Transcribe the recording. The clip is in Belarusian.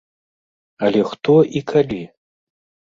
Але хто і калі?